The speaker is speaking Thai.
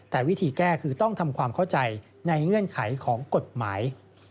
แต่วิธีแก้คือต้องทำความเข้าใจในเงื่อนไขของกฎหมาย